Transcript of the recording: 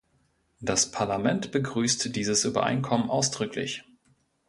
Das Parlament begrüßt dieses Übereinkommen ausdrücklich.